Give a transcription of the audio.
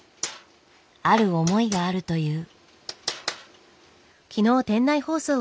ある思いがあるという。